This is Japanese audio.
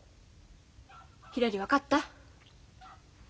ひらり分かった？